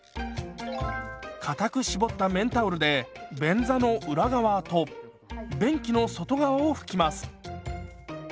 かたく絞った綿タオルで便座の裏側と便器の外側を拭きます。